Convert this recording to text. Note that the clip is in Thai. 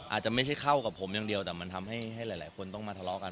อาจจะไม่ใช่เข้ากับผมอย่างเดียวแต่มันทำให้หลายคนต้องมาทะเลาะกัน